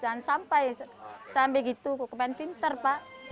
kepain pintar pak